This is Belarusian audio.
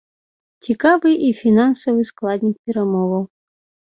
Цікавы і фінансавы складнік перамоваў.